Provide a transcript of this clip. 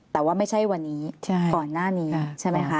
แต่ว่าไม่ใช่วันนี้ก่อนหน้านี้ใช่ไหมคะ